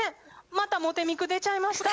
またモテミク出ちゃいました。